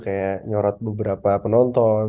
kayak nyorot beberapa penonton